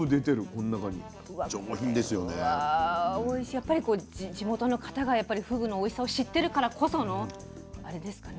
やっぱり地元の方がふぐのおいしさを知ってるからこそのあれですかね。